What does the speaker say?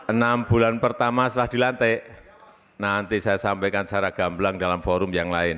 enam bulan pertama setelah dilantik nanti saya sampaikan secara gamblang dalam forum yang lain